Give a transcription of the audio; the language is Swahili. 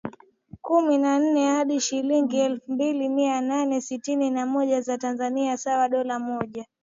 kumi na nne hadi shilingi elfu mbili mia nane sitini na moja za Tanzania sawa dola mmoja